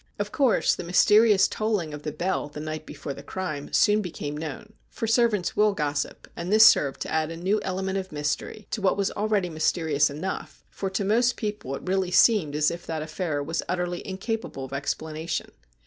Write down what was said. Of course the mysterious tolling of the bell the night before the crime soon became known, for servants will gossip, and this served to add a new element of mystery to what was already mysterious enough, for to most people it really seemed as if that affair was utterly incapable of explanation.